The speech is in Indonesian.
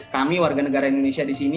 kami warga negara indonesia di sini